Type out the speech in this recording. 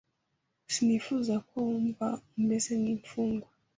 sinifuza ko wumva umeze nk'imfungwa.